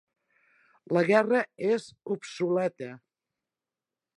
La guerra és obsoleta.